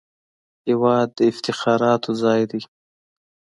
هېواد د افتخاراتو ځای دی